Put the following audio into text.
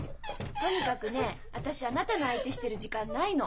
とにかくね私あなたの相手してる時間ないの。